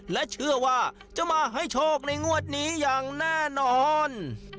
และเชื่อว่าจะมาให้โชคในงวดนี้อย่างแน่นอน